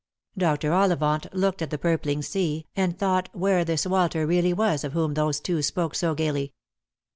Dr. Ollivant looked at the purpling sea, and thought where this Walter really was of whom those two spoke so gaily.